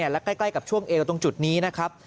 และใกล้กับช่วงเอวตรงจุดนี้นะครับ